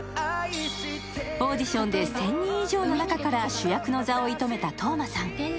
オーディションで１０００人以上の中から主役の座を射止めた當真さん。